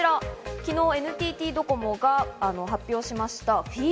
昨日、ＮＴＴドコモが発表しました。